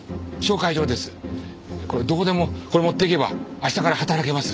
これどこでもこれ持っていけば明日から働けます。